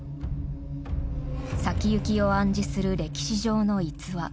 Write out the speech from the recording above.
先行きを暗示する歴史上の逸話。